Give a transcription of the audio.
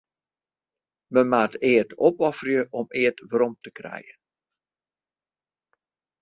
Men moat eat opofferje om eat werom te krijen.